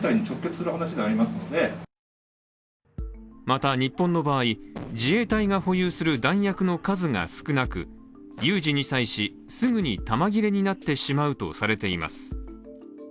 また日本の場合、自衛隊が保有する弾薬の数が少なく有事に際し、すぐに弾切れになってしまうとされています。